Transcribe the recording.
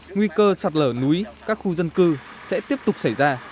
nguy cơ sạt lở núi các khu dân cư sẽ tiếp tục xảy ra